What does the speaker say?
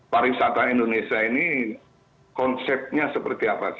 pariwisata indonesia ini konsepnya seperti apa sih